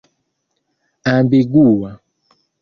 ambigua